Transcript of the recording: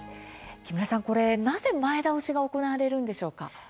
木村さん、なぜ前倒しが行われるのでしょうか？